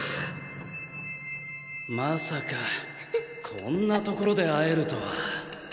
まさかこんな所で会えるとは。